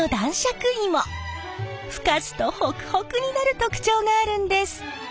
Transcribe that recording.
ふかすとホクホクになる特徴があるんです。